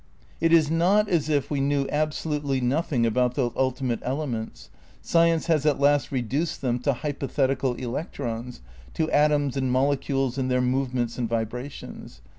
It is not as if we knew absolutely nothing about those ultimate elements; science has at last reduced them to hypothetical electrons, to atoms and molecules and their movements and vibrations.